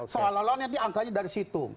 seolah olah nanti angkanya dari situ